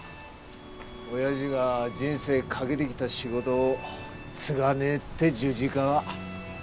おやじが人生懸けてきた仕事を継がねえって十字架は。